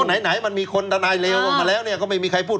เพราะไหนมันมีคนธนายเลวมาแล้วก็ไม่มีใครพูด